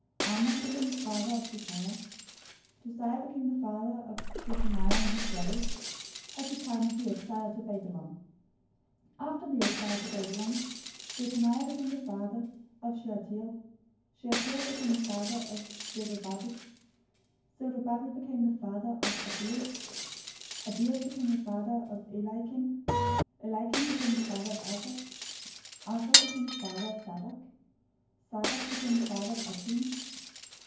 Amon became the father of Josiah. 001:011 Josiah became the father of Jechoniah and his brothers, at the time of the exile to Babylon. 001:012 After the exile to Babylon, Jechoniah became the father of Shealtiel. Shealtiel became the father of Zerubbabel. 001:013 Zerubbabel became the father of Abiud. Abiud became the father of Eliakim. Eliakim became the father of Azor. 001:014 Azor became the father of Sadoc. Sadoc became the father of Achim.